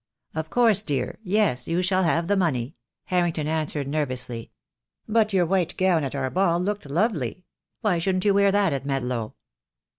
"Of course, dear, yes, you shall have the money," Harrington answered nervously; "but your white gown at our ball looked lovely. Why shouldn't you wear that at Medlow?"